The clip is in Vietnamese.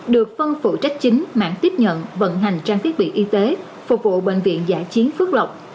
được phân phụ trách chính mạng tiếp nhận vận hành trang thiết bị y tế phục vụ bệnh viện giải chiến phước lọc